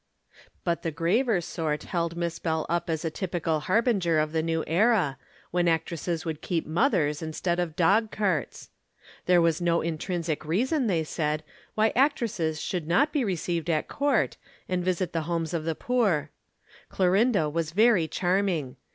But the graver sort held Miss Bell up as a typical harbinger of the new era, when actresses would keep mothers instead of dog carts. There was no intrinsic reason, they said, why actresses should not be received at Court, and visit the homes of the poor. Clorinda was very charming.